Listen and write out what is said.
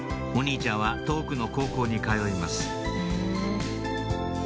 お兄ちゃんは遠くの高校に通います